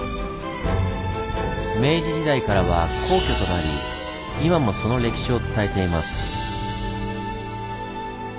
明治時代からは皇居となり今もその歴史を伝えています。